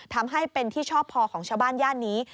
ทำให้เป็นที่ชอบพอของชาวบ้านย่านนี้